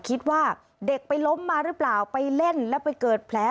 คิดว่าเด็กไปล้มมาหรือเปล่าไปเล่นแล้วไปเกิดแผล